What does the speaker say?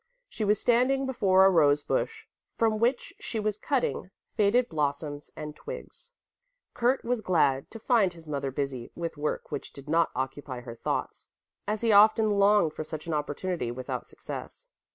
She was standing before a rose bush from which she was cutting faded blossoms and twigs. Kurt was glad to find his mother busy with work which did not occupy her thoughts, as he often longed for such an opportunity without success.